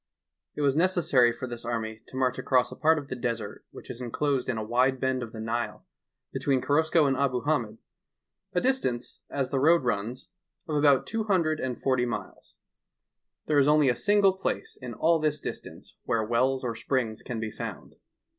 It was neeessary for this army to mareh aeross a part of the desert whieh is inelosed in a wide bend of the Nile between Korosko and Abu Hamed, a distanee, as the road runs, of about two hundred and forty miles. There is only a single plaee in all this distanee where wells or springs ean be found.